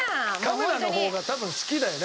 カメラの方が多分好きだよね。